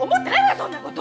そんなこと！